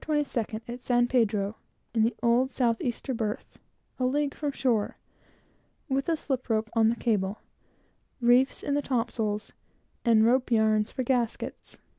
22d, at San Pedro, in the old south easter berth, a league from shore, with a slip rope on the cable, reefs in the topsails, and rope yarns for gaskets.